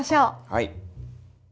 はい。